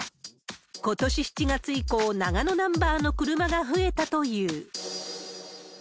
ことし７月以降、長野ナンバーの車が増えたという。